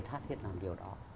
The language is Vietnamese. sẽ có thể làm điều đó